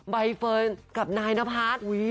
ใบเฟิร์นกับนายนภาพ